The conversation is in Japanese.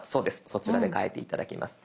そちらで変えて頂きます。